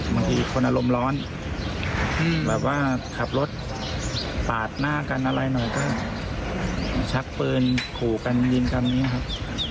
บางทีคนอารมณ์ร้อนแบบว่าขับรถปาดหน้ากันอะไรหน่อยก็ชักปืนขู่กันยิงกันอย่างนี้ครับ